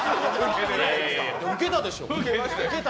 ウケたでしょ。